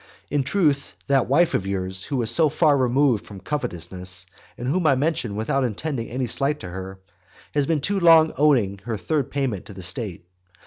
In truth, that wife of yours, who is so far removed from covetousness, and whom I mention without intending any slight to her, has been too long owing her third payment to the state.